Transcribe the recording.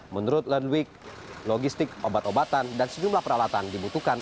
menurut landwig logistik obat obatan dan sejumlah peralatan dibutuhkan